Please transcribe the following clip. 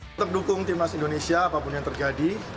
tetap dukung timnas indonesia apapun yang terjadi